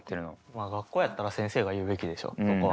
まあ学校やったら先生が言うべきでしょそこは。